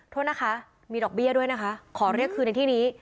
โทษนะคะมีดอกเบี้ยด้วยนะคะขอเรียกคืนในที่นี้